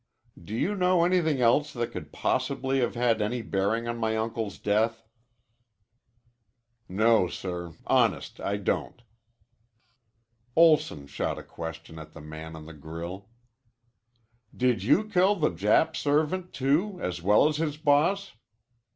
"Do you know anything else that could possibly have had any bearing on my uncle's death?" "No, sir. Honest I don't." Olson shot a question at the man on the grill. "Did you kill the Jap servant, too, as well as his boss?"